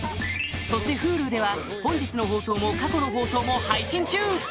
そしてＨｕｌｕでは本日の放送も過去の放送も配信中！